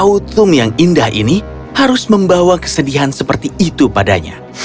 outum yang indah ini harus membawa kesedihan seperti itu padanya